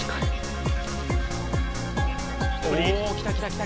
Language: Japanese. おー、来た来た来た。